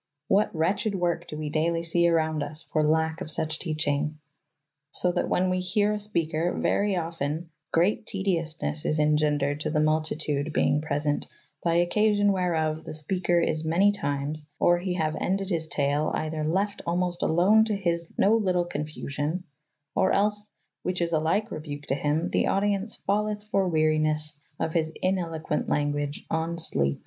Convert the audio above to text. What wretched work do we daily see around us for lack of such teaching ! So that when we hear a speaker, very often "greate tediosnes is engendred to the multytude beynge present, by occasyon where of the speker is many times or he haue endyd his tale eyther lefte almost alone to hys no lytle confusyon, or els, which is a 13'ke rebuke to hym, the audyence falleth for werynes of his ineloquent langage on slepe.